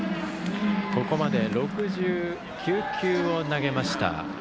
ここまで６９球を投げました。